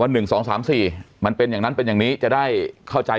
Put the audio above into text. หนึ่งสองสามสี่มันเป็นอย่างนั้นเป็นอย่างนี้จะได้เข้าใจ